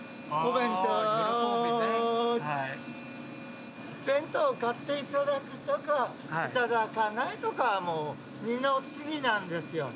弁当を買っていただくとかいただかないとかはもう二の次なんですよ。